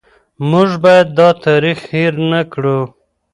موږ باید دا تاریخ هېر نه کړو.